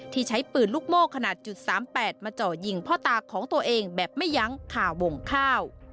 ใช้ปืนลูกโม่ขนาด๓๘มาเจาะยิงพ่อตาของตัวเองแบบไม่ยั้งคาวงข้าว